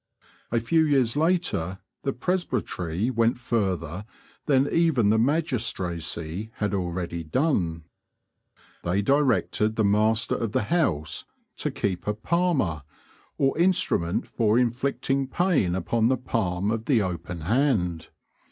A few years later the presbytery went further than even the magistracy had already done. They directed the master of the house to keep a "palmer," or instrument for inflicting pain upon the palm of the open hand.